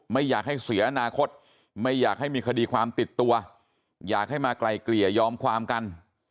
ไม่อยากให้เสียอนาคตไม่อยากให้มีคดีความติดตัวอยากให้มาไกลเกลี่ยยอมความกัน